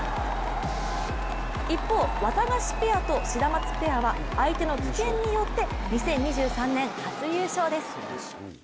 一方、わたがしペアとシダマツペアは相手の棄権によって２０２３年初優勝です。